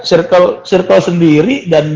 iya circle sendiri dan